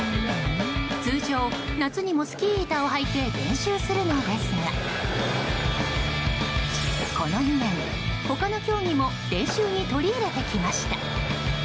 通常、夏にもスキー板を履いて練習するのですがこの２年、他の競技を練習に取り入れてきました。